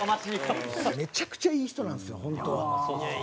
めちゃくちゃいい人なんですよ本当は。